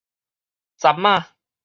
鏨子